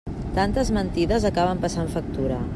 Tantes mentides acaben passant factura.